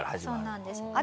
そうなんです。